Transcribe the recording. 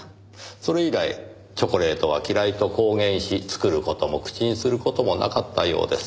それ以来チョコレートは嫌いと公言し作る事も口にする事もなかったようです。